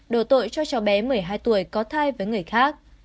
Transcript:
đồ tội cho cháu bé một mươi hai tuổi có thai với người khác